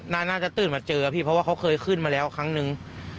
น่าจะตื่นมาเจอพี่เพราะว่าเขาเคยขึ้นมาแล้วครั้งนึง